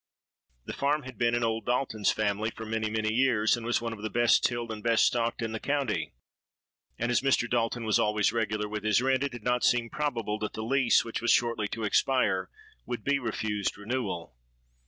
The farm had been in old Dalton's family for many, many years, and was one of the best tilled and best stocked in the county; and as Mr. Dalton was always regular with his rent, it did not seem probable that the lease, which was shortly to expire, would be refused renewal.